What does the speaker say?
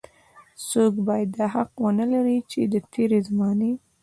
څوک بايد دا حق ونه لري چې د تېرې زمانې.